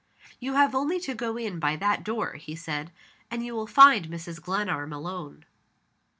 "You have only to go in by that door," he said, "and you will find Mrs. Glenarm alone."